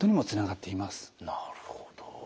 なるほど。